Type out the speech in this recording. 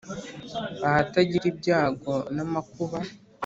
Ahatagira ibyago namakuba